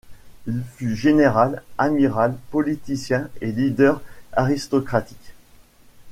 Il fut général, amiral, politicien et leader aristocratique.